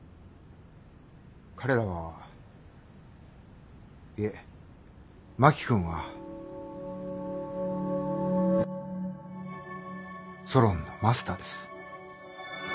彼らはいえ真木君はソロンのマスターです。